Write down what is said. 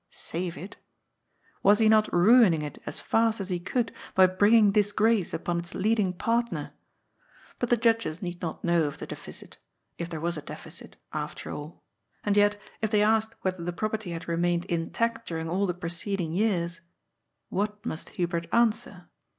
Save it? Was he not ruining it as fast as he could by bringing disgrace upon its leading partner ? But the judges need not know of the deficit, if there was a defi cit, after all. And yet, if they asked whether the property had remained intact during all the preceding yeara, what must Hubert answer?